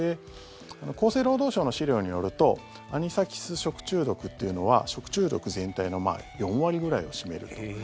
厚生労働省の資料によるとアニサキス食中毒というのは食中毒全体の４割くらいを占めると。